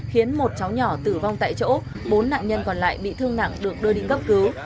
khiến một cháu nhỏ tử vong tại chỗ bốn nạn nhân còn lại bị thương nặng được đưa đi cấp cứu